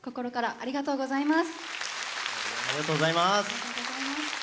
ありがとうございます。